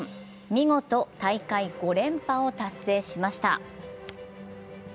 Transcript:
見事大会５連覇を達成しました。